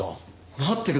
待ってください。